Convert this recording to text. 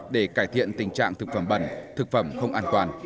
để cải thiện tình trạng thực phẩm bẩn thực phẩm không an toàn